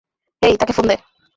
হেই, তাকে ফোন দে।